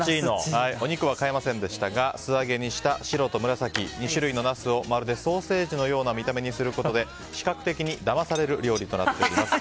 お肉は買えませんでしたが素揚げにした白と紫、２種類のナスをまるでソーセージのような見た目にすることで視覚的にだまされる料理となっています。